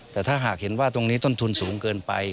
แต่ถ้าหากเห็นว่าตรงนี้ต้นทุนสูงเกินไป